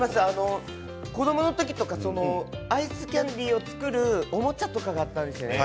子どもの時とかアイスキャンディーを作るおもちゃとかがあったんですよね。